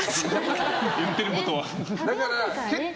言ってることは。